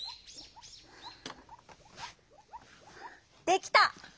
できた！